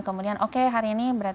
kemudian oke hari ini benar benar